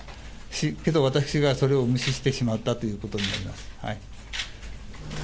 けど私がそれを無視してしまったということになります。